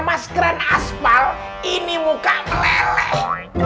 mas keren asfal ini muka meleleh